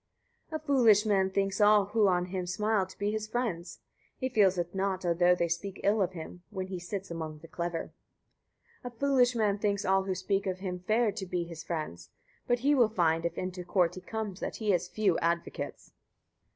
A foolish man thinks all who on him smile to be his friends; he feels it not, although they speak ill of him, when he sits among the clever. 25. A foolish man thinks all who speak him fair to be his friends; but he will find, if into court he comes, that he has few advocates. 26.